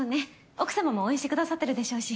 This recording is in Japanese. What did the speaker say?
奥様も応援してくださってるでしょうし。